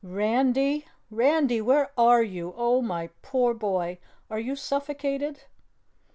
"Randy! Randy, where are you? Oh, my poor boy, are you suffocated?"